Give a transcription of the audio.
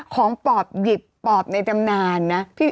ปอบหยิบปอบในตำนานนะ